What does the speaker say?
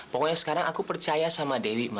pokoknya sekarang aku percaya sama dewi